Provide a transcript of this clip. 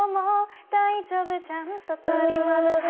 「大丈夫ちゃんと取り戻して」